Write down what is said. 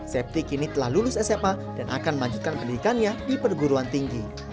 septi kini telah lulus sma dan akan melanjutkan pendidikannya di perguruan tinggi